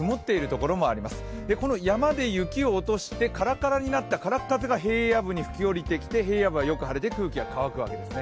この山で雪を落としてカラカラになった空っ風が平野部に吹き下りてきて、平野部はよく晴れて空気が乾くわけですね。